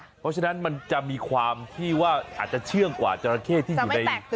เพราะฉะนั้นมันจะมีความที่ว่าอาจจะเชื่องกว่าจราเข้ที่อยู่ใน